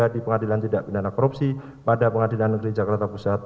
di pengadilan tidak pindah korupsi pada pengadilan negeri jakarta pusat